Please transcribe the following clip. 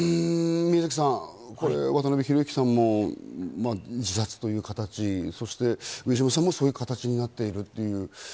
宮崎さん、渡辺裕之さんも自殺という形、上島さんもそういう形になっているという。